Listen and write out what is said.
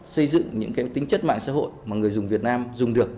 xây dựng những tính chất mạng xã hội mà người dùng việt nam dùng được